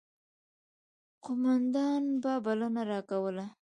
قوماندان به بلنه راکوله.